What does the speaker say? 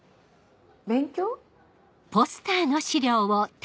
勉強？